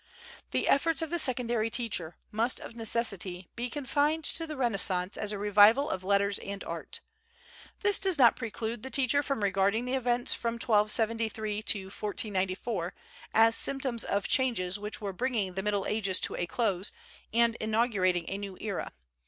The efforts of the secondary teacher must of necessity be confined to the Renaissance as a revival of letters and art. This does not preclude the teacher from regarding the events from 1273 to 1494 as symptoms of changes which were bringing the Middle Ages to a close and inaugurating a new era.